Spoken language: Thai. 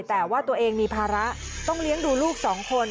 แต่ว่าตัวเองมีภาระต้องเลี้ยงดูลูกสองคน